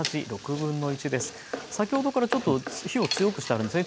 先ほどからちょっと火を強くしてあるんですね。